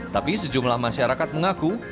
tapi sejumlah masyarakat mengaku